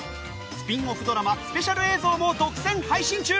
スピンオフドラマスペシャル映像も独占配信中